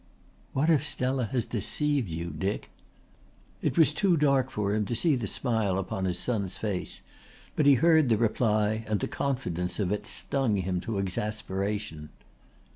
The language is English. "What if Stella has deceived you, Dick?" It was too dark for him to see the smile upon his son's face, but he heard the reply, and the confidence of it stung him to exasperation.